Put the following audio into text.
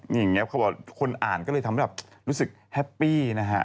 อย่างนี้เขาบอกคนอ่านก็เลยทำให้แบบรู้สึกแฮปปี้นะฮะ